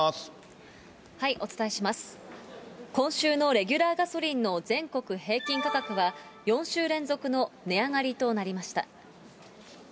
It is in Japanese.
今週のレギュラーガソリンの全国平均価格は、４週連続の値上がりとなりました。